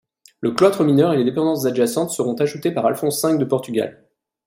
Le cloître mineur et les dépendances adjacentes seront ajoutées par Alphonse V de Portugal.